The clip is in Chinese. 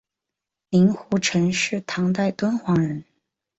令狐澄是唐代敦煌人。